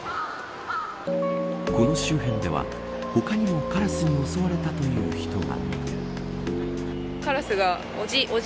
この周辺では他にもカラスに襲われたという人が。